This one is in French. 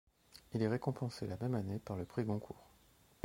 Il est récompensé la même année par le prix Goncourt.